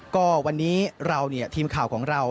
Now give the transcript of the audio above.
ก็วันนี้เราเนี่ยทีมข่าวของเรา